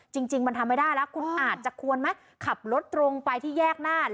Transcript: จริงมันทำไม่ได้แล้วคุณอาจจะควรไหมขับรถตรงไปที่แยกหน้า